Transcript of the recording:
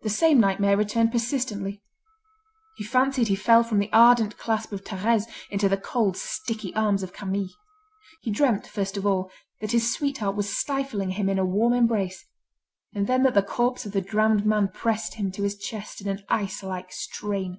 The same nightmare returned persistently: he fancied he fell from the ardent clasp of Thérèse into the cold, sticky arms of Camille. He dreamt, first of all, that his sweetheart was stifling him in a warm embrace, and then that the corpse of the drowned man pressed him to his chest in an ice like strain.